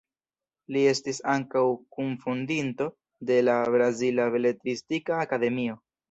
Li estis ankaŭ kunfondinto de la Brazila Beletristika Akademio.